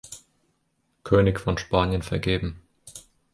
König von Spanien vergeben.